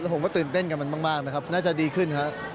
ผมก็ตื่นเต้นกับมันมากนะครับน่าจะดีขึ้นครับ